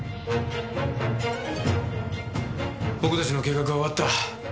僕たちの計画は終わった。